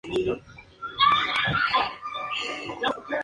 Y tomó una posición en la Universidad de Massachusetts Amherst.